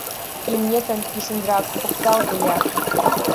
Имнетым писынрак покталте-я.